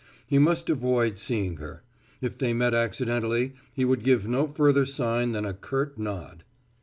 He must avoid seeing her; if they met accidentally he would give no further sign than a curt nod.